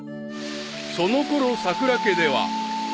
［そのころさくら家では］